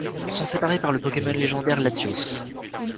Ils sont séparés par le Pokémon légendaire Latios.